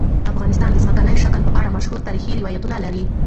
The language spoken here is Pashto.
افغانستان د ځمکنی شکل په اړه مشهور تاریخی روایتونه لري.